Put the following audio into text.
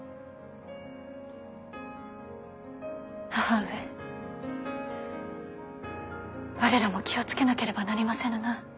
義母上我らも気を付けなければなりませぬなあ